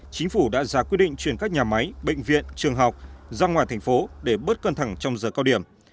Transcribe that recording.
chính phủ đã ra quyết định chuyển các nhà máy bệnh viện trường học ra ngoài thành phố để bớt căng thẳng trong giờ cao điểm